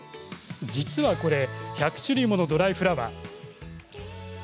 実はこれ１００種類ものドライフラワー。